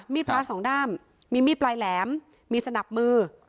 พระสองด้ามมีมีดปลายแหลมมีสนับมือ